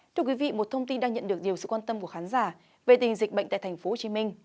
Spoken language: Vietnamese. thưa quý vị một thông tin đang nhận được nhiều sự quan tâm của khán giả về tình dịch bệnh tại tp hcm